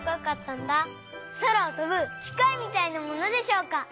そらをとぶきかいみたいなものでしょうか？